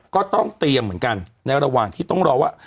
ก็ต้องเตรียมเหมือนกันในระหว่างที่ต้องรอว่า